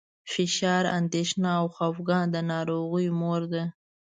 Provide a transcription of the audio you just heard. فشار، اندېښنه او خپګان د ناروغیو مور ده.